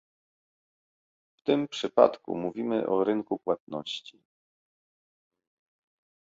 W tym przypadku mówimy o rynku płatności